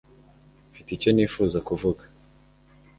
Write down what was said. Mfite icyo nifuza kuvuga.